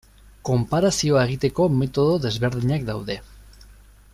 Konparazioa egiteko metodo desberdinak daude.